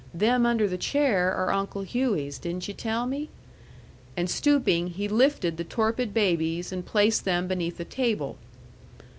"Them under the chair are Uncle Hughey's, didn't you tell me?" And stooping, he lifted the torpid babies and placed them beneath a table.